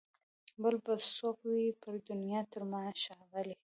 بل به څوک وي پر دنیا تر ما ښاغلی